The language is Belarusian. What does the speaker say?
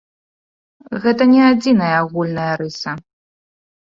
Гэта не адзіная агульная рыса.